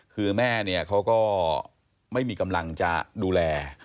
คือแม่เนี่ยเขาก็ไม่มีกำลังจะดูแล